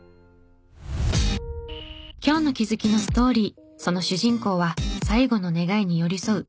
今日の気づきのストーリーその主人公は最期の願いに寄り添う。